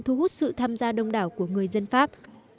thu hút sự tham gia đông đảo của người dân pháp